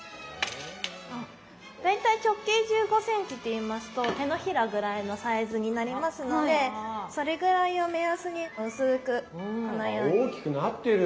大体直径１５ｃｍっていいますと手のひらぐらいのサイズになりますのでそれぐらいを目安に薄くこのように。大きくなってる。